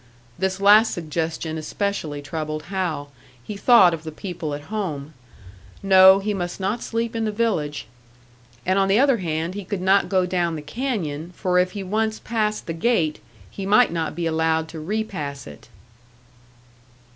This last suggestion especially troubled Hal; he thought of the people at home. No, he must not sleep in the village! And on the other hand he could not go down the canyon, for if he once passed the gate, he might not be allowed to repass it.